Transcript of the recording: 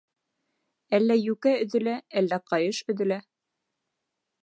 Әллә йүкә өҙөлә, әллә ҡайыш өҙөлә.